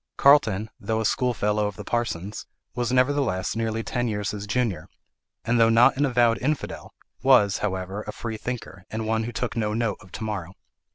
Carlton, though a schoolfellow of the parson's, was nevertheless nearly ten years his junior; and though not an avowed infidel, was, however, a freethinker, and one who took no note of to morrow.